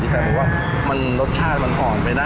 ที่แฟนคิดว่ารสชาติมันห่อนไปนะ